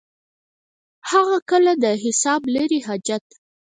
هغه کله د حساب لري حاجت.